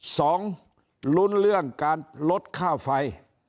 สองลุ้นเรื่องการลดค่าไฟ